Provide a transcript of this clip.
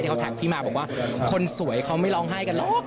เขาแท็กพี่มาบอกว่าคนสวยเขาไม่ร้องไห้กันหรอก